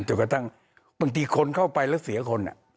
จนกระทั่งบางทีคนเข้าไปแล้วเสียคน